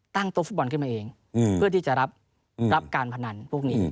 โต๊ฟุตบอลขึ้นมาเองเพื่อที่จะรับการพนันพวกนี้